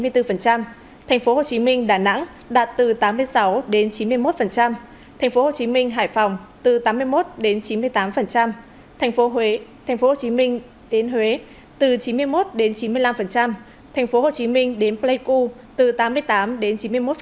tp hcm đà nẵng đạt từ tám mươi sáu đến chín mươi một tp hcm hải phòng từ tám mươi một đến chín mươi tám tp hcm đến huế từ chín mươi một đến chín mươi năm tp hcm đến pleiku từ tám mươi tám đến chín mươi một